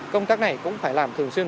công tác này cũng phải làm thường xuyên